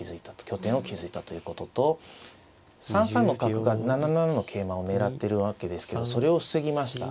拠点を築いたということと３三の角が７七の桂馬を狙ってるわけですけどそれを防ぎました。